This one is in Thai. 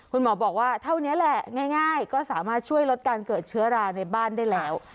คุณหมอบอกว่าเท่านี้แหละง่ายก็สามารถช่วยลดการเกิดเชื้อราในบ้านได้แล้ว